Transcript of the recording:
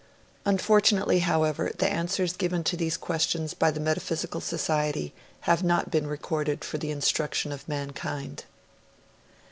'Unfortunately, however, the answers given to these questions by the Metaphysical Society have not been recorded for the instruction of mankind.